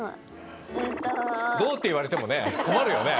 「どう？」って言われてもね困るよね。